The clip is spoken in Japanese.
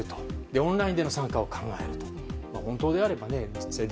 オンラインでの参加を考えると。